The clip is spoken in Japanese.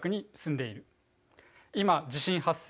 今地震発生。